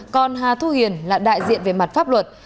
còn hà thu hiền là đại diện về mặt pháp luật